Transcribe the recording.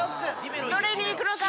どれにいくのか？